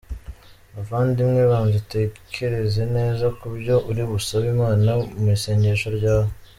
Bavandimwe, banza utekereze neza ku byo uri busabe Imana mu isengesho ryawe.